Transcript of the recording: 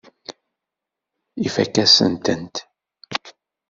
Ifakk-asent-ten.